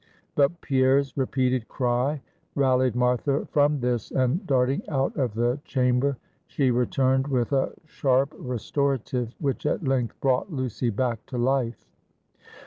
But Pierre's repeated cry rallied Martha from this, and darting out of the chamber, she returned with a sharp restorative, which at length brought Lucy back to life.